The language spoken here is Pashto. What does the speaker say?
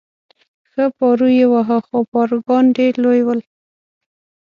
ښه پارو یې واهه، خو پاروګان ډېر لوی ول.